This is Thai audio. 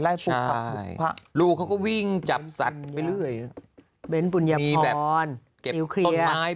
ลูกเขาก็วิ่งจับสัตว์ไปเรื่อยมีแบบเก็บต้นไม้